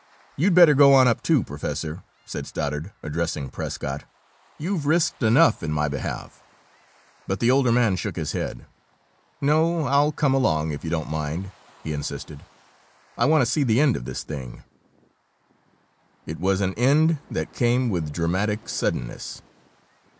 "You'd better go on up, too, Professor," said Stoddard, addressing Prescott. "You've risked enough, in my behalf." But the older man shook his head. "No, I'll come along, if you don't mind," he insisted. "I want to see the end of this thing." It was an end that came with dramatic suddenness.